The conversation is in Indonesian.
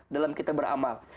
dalam kita beramal